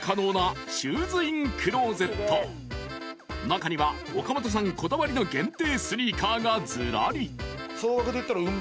［中には岡本さんこだわりの限定スニーカーがずらり］